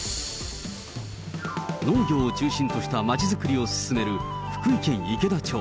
農業を中心とした町作りを進める福井県池田町。